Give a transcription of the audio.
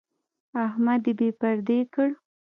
احمد يې بې پردې کړ.